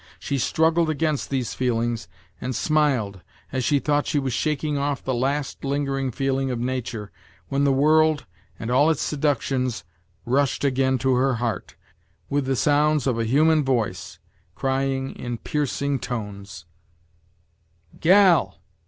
She struggled against these feelings, and smiled, as she thought she was shaking off the last lingering feeling of nature, when the world, and all its seductions, rushed again to her heart, with the sounds of a human, voice, crying in piercing tones: "Gal!